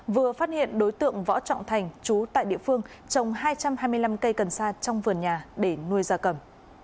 vừa phát hiện đối tượng võ trọng thành chú tại địa phương trồng hai trăm hai mươi năm cây cần sa trong vườn nhà để nuôi gia cầm